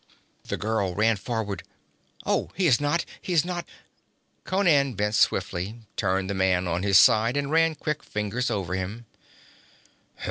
The girl ran forward. 'Oh, he is not he is not ' Conan bent swiftly, turned the man on his side and ran quick fingers over him.